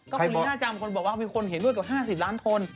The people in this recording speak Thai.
คุณลีน่าจำคนบอกว่ามีคนเห็นด้วยกับ๕๐ล้านคน